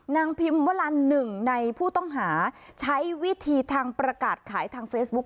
พิมพ์วลันหนึ่งในผู้ต้องหาใช้วิธีทางประกาศขายทางเฟซบุ๊ค